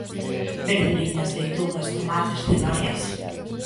Verduriñas, leitugas, tomates, cenorias?